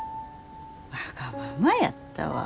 わがままやったわ。